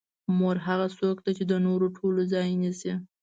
مور هغه څوک ده چې د نورو ټولو ځای نیسي.